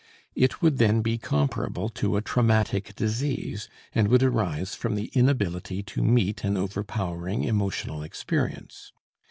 It would then be comparable to a traumatic disease, and would arise from the inability to meet an overpowering emotional experience.